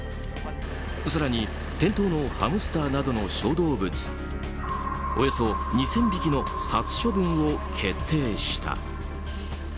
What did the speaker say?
更に店頭のハムスターなどの小動物およそ２０００匹の殺処分を決定した。